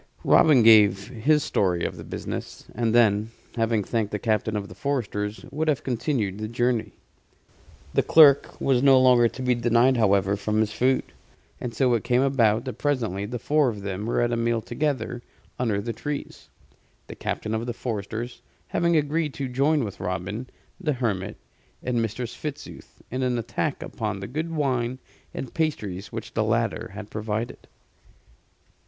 Robin gave his story of the business, and then, having thanked the captain of the foresters, would have continued the journey. The clerk was no longer to be denied, however, from his food: and so it came about that presently the four of them were at a meal together under the trees the captain of the foresters having agreed to join with Robin, the hermit, and Mistress Fitzooth in an attack upon the good wine and pasty which the latter had provided.